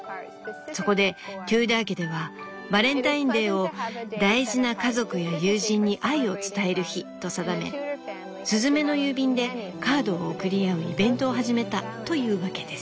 そこでテューダー家ではバレンタインデーを『大事な家族や友人に愛を伝える日』と定めスズメの郵便でカードを送り合うイベントを始めたというわけです」。